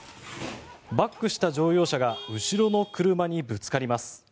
バックした乗用車が後ろの車にぶつかります。